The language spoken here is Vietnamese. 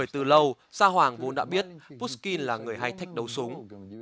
từ lâu xa hoàng vốn đã biết pushkin là người hay thách đấu súng